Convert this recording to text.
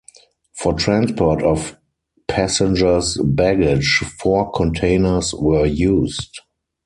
For transport of passengers' baggage four containers were used.